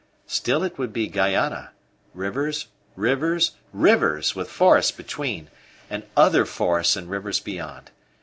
Still it would be Guayana; rivers, rivers, rivers, with forests between, and other forests and rivers beyond.